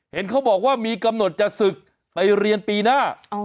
เห็นเขาบอกว่ามีกำหนดจะศึกไปเรียนปีหน้า